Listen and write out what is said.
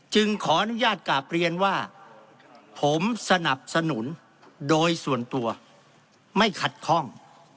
ขออนุญาตกลับเรียนว่าผมสนับสนุนโดยส่วนตัวไม่ขัดข้อง